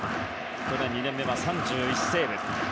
去年、２年目は３１セーブ。